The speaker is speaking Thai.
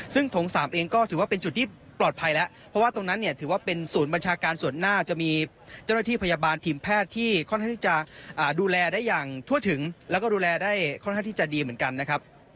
ซึ่งโถง๓เองก็ถือว่าเป็นจุดที่ปลอดภัยแล้วเพราะว่าตรงนั้นเนี่ยถือว่าเป็นศูนย์บัญชาการส่วนหน้าจะมีเจ้าหน้าที่พยาบาลทีมแพทย์ที่ค่อนข้างที่จะดูแลได้อย่างทั่วถึงแล้วก็ดูแลได้ค่อนข้างที่จะดีเหมือนกันนะครับ